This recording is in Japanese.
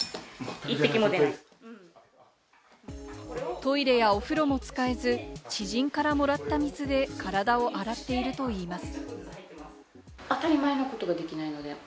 トイレやお風呂も使えず、知人からもらった水で体を洗っているといいます。